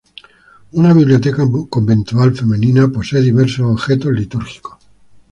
Una biblioteca conventual femenina posee diversos objetos litúrgicos.